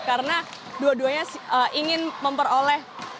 karena dua duanya ingin memperoleh